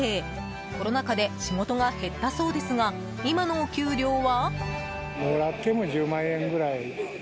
コロナ禍で仕事が減ったそうですが今のお給料は？